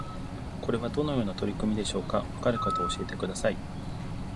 これはどのような取り組みでしょうか？わかる方教えてください